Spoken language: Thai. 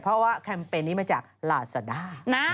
เพราะว่าแคมเปญนี้มาจากลาซาด้า